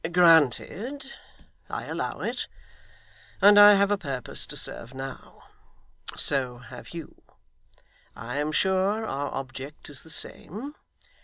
'Granted. I allow it. And I have a purpose to serve now. So have you. I am sure our object is the same.